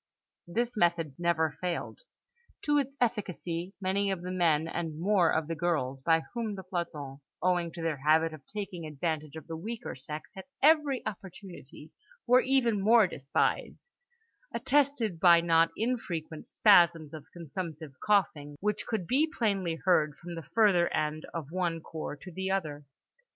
This method never failed. To its efficacy many of the men and more of the girls (by whom the plantons, owing to their habit of taking advantage of the weaker sex at every opportunity, were even more despised) attested by not infrequent spasms of consumptive coughing, which could be plainly heard from the further end of one cour to the other.